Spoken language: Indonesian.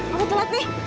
kamu telat nih